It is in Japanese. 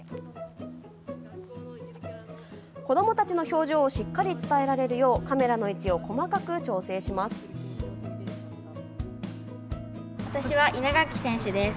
子どもたちの表情をしっかり伝えられるようカメラの位置を細かく調整します。